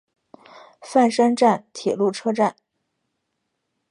饭山站铁路车站。